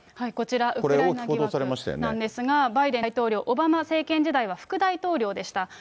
こちら、ウクライナ疑惑なんですが、バイデン大統領、オバマ政権時代は副大統領でした。